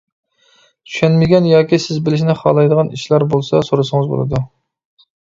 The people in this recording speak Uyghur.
چۈشەنمىگەن ياكى سىز بىلىشنى خالايدىغان ئىشلار بولسا سورىسىڭىز بولىدۇ.